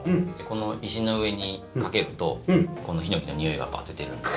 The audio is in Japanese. この石の上にかけるとこのヒノキのにおいがバッて出るんです。